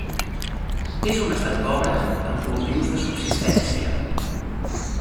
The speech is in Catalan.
És un estat pobre amb cultius de subsistència.